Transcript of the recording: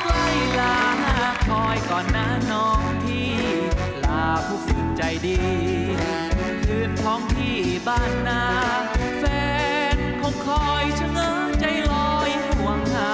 เฟนของคอยเชื่อใจลอยห่วงหา